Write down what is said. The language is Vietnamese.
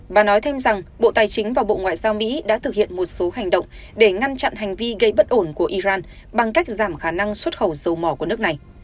bà nói thêm rằng bộ tài chính và bộ ngoại giao mỹ đã thực hiện một số hành động để ngăn chặn hành vi gây bất ổn của iran bằng cách giảm khả năng xuất khẩu dầu mỏ của nước này